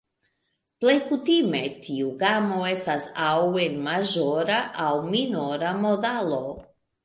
Plej kutime, tiu gamo estas aŭ en maĵora aŭ minora modalo.